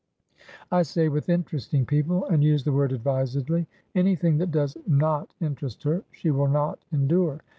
"I say with interesting people, and use the word advisedly. Anything that does not interest her, she will not endure.